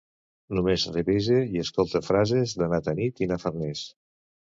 Només revise i escolte frases de na Tanit i na Farners.